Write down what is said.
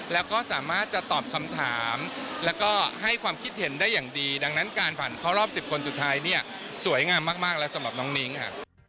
แล้วก็สามารถจะตอบคำถามแล้วก็ให้ความคิดเห็นได้อย่างดีดังนั้นการผ่านเข้ารอบ๑๐คนสุดท้ายเนี่ยสวยงามมากแล้วสำหรับน้องนิ้งค่ะ